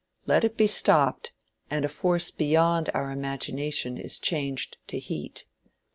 Let it be stopped and a force beyond our imagination is changed to heat.